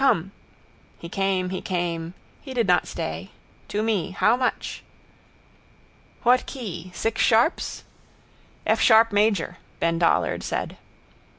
Come. He came, he came, he did not stay. To me. How much? —What key? Six sharps? —F sharp major, Ben Dollard said.